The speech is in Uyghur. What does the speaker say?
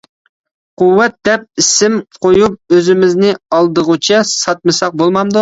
قۇۋۋەت دەپ ئىسىم قويۇپ ئۆزىمىزنى ئالدىغۇچە ساتمىسا بولمامدۇ.